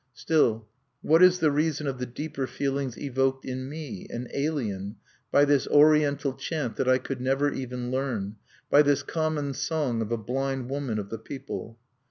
Still, what is the reason of the deeper feelings evoked in me an alien by this Oriental chant that I could never even learn, by this common song of a blind woman of the people?